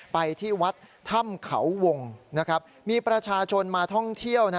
ไปที่วัดถ้ำเขาวงนะครับมีประชาชนมาท่องเที่ยว